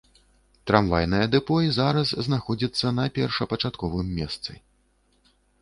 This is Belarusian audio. Трамвайнае дэпо і зараз знаходзіцца на першапачатковым месцы.